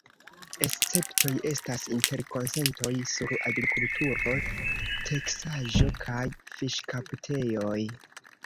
Esceptoj estas interkonsentoj sur agrikulturo, teksaĵo kaj fiŝkaptejoj.